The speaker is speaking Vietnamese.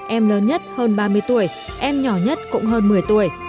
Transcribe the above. em lớn nhất hơn ba mươi tuổi em nhỏ nhất cũng hơn một mươi tuổi